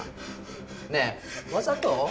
ねえわざと？